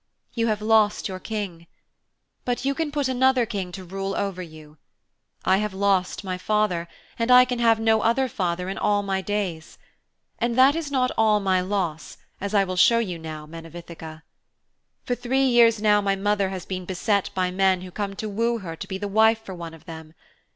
You have lost your King. But you can put another King to rule over you. I have lost my father, and I can have no other father in all my days. And that is not all my loss, as I will show you now, men of Ithaka. 'For three years now my mother has been beset by men who come to woo her to be wife for one of them.